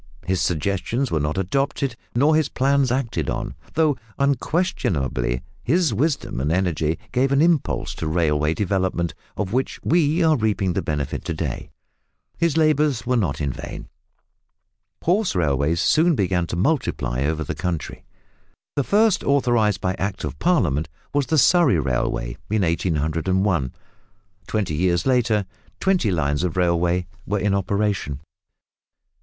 His suggestions were not adopted nor his plans acted on, though unquestionably his wisdom and energy gave an impulse to railway development, of which we are reaping the benefit to day. His labours were not in vain. Horse railways soon began to multiply over the country. The first authorised by Act of Parliament was the Surrey Railway in 1801. Twenty years later twenty lines of railway were in operation.